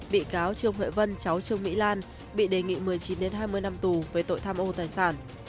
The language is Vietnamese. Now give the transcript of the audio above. bị cáo trương huệ vân cháu trương mỹ lan bị đề nghị một mươi chín hai mươi năm tù về tội tham ô tài sản